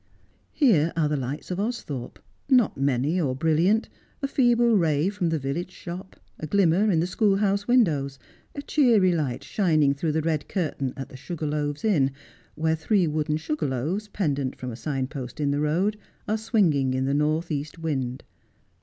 Here are the lights of Austhorpe. Not many or brilliant. A feeble ray from the village shop — a glimmer in the schoolhouse windows — a cheery light shining through the red curtain at the ' Sugar Loaves Inn,' where three wooden sugar loaves, pendent from the sign post in the road, are swinging in the north east wind.